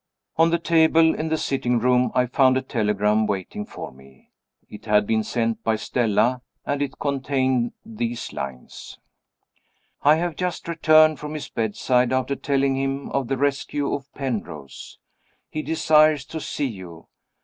On the table in the sitting room I found a telegram waiting for me. It had been sent by Stella, and it contained these lines: "I have just returned from his bedside, after telling him of the rescue of Penrose. He desires to see you.